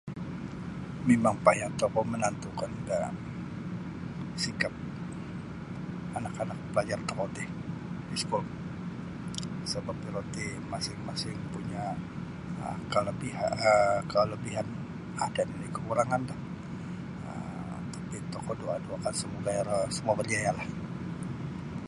Mimang payah tokou manantukan da sikap anak-anak palajar tokou ti sabap sabap iro ti masing-masing punya' kalabihan kalabihan ada nini' kakurangan do um . Tokou doa-doakan samoga iro samua barjayalah.